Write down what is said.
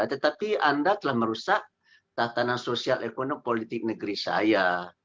tetapi anda telah merusak tatanan sosial ekonomi politik negeri saya